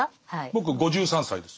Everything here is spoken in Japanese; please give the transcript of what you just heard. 僕５３歳です。